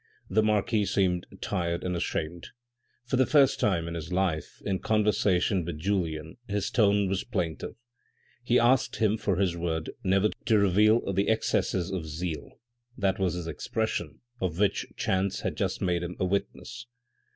The marquis seemed tired and ashamed. For the first time in his life in conversation with Julien, his tone was plaintive. He asked him for his word never to reveal the excesses of zeal, that was his expression, of which chance had just made him a witness.